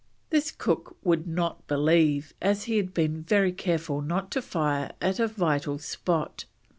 This Cook would not believe as he had been very careful not to fire at a vital spot.